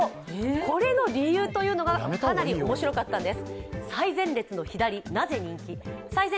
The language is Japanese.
これの理由がかなり面白かったんです。